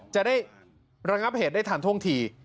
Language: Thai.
จะได้ระงับเหตุได้ทันท่วงที